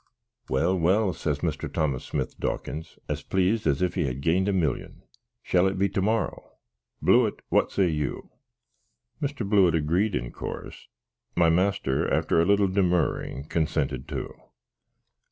"Well, well," says Mr. Thomas Smith Dawkins, as pleased as if he had gained a millium, "shall it be to morrow? Blewitt, what say you!" Mr. Blewitt agread, in course. My master, after a little demurring, consented too.